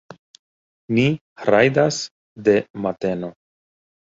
Ni rajdas de mateno.